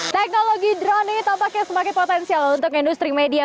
teknologi drone ini tampaknya semakin potensial untuk industri media